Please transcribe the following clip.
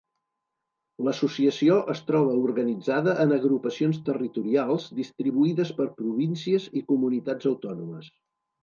L'associació es troba organitzada en agrupacions territorials distribuïdes per províncies i comunitats autònomes.